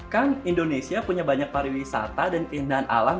kan indonesia punya banyak pariwisata dan keindahan alam